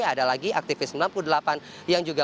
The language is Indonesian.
ada lagi aktivis sembilan puluh delapan yang juga